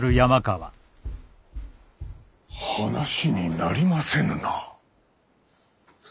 話になりませぬな。